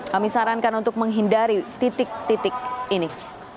kami sarankan untuk menghindari titik titik ini